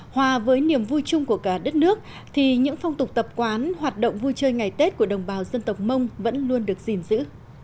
hòa với niềm vui chung của cả đất nước thì những phong tục tập quán hoạt động vui chơi ngày tết của đồng bào dân tộc mông vẫn luôn được gìn giữ